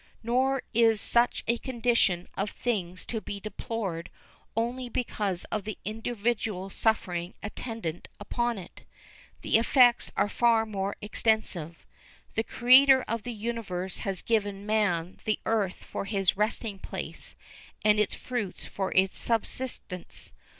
Nor is such a condition of things to be deplored only because of the individual suffering attendant upon it. The effects are far more extensive. The Creator of the Universe has given man the earth for his resting place and its fruits for his subsistence.